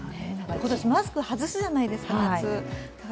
今年、夏マスクを外すじゃないですか。